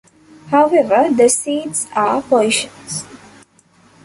However, the seeds are poisonous.